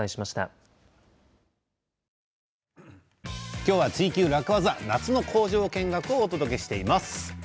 今日は「ツイＱ楽ワザ」夏の工場見学をお届けしています。